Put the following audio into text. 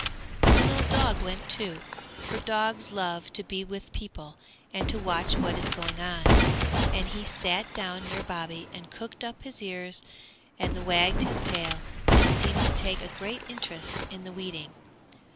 The little dog went too, for dogs love to be with people and to watch what is going on; and he sat down near Bobby and cocked up his ears and wagged his tail and seemed to take a great interest in the weeding.